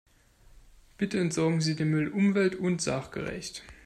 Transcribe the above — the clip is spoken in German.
Bitte entsorgen Sie den Müll umwelt- und sachgerecht.